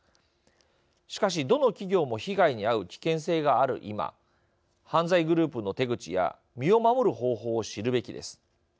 しかし、どの企業も被害にあう危険性がある今犯罪グループの手口や身を守る方法を知るべきです。